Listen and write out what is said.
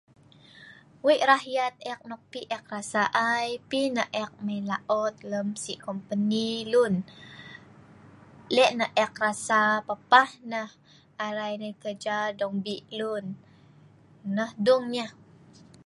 I have a big heart, I already felt that. I went to work in a company of people.I already know it feels to work under people. That's all